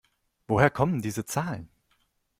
Woher kommen diese Zahlen?